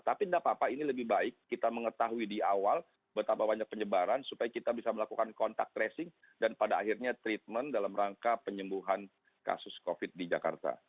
tapi tidak apa apa ini lebih baik kita mengetahui di awal betapa banyak penyebaran supaya kita bisa melakukan kontak tracing dan pada akhirnya treatment dalam rangka penyembuhan kasus covid di jakarta